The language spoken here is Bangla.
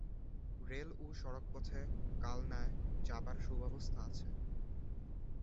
রেল ও সড়কপথে কালনায় যাবার সুব্যবস্থা আছে।